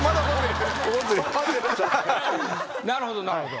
なるほどなるほど。